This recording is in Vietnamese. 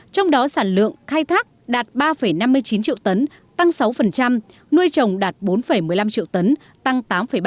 trong đó sản lượng khai thác đạt ba năm mươi chín triệu tấn tăng sáu nuôi trồng đạt bốn một mươi năm triệu tấn tăng tám ba